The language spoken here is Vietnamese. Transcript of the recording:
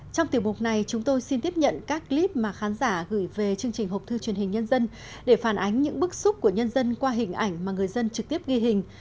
trong tiểu mục này chúng tôi xin tiếp nhận các clip mà khán giả gửi về chương trình hộp thư truyền hình nhân dân để phản ánh những bức xúc của nhân dân qua hình ảnh mà người dân trực tiếp ghi hình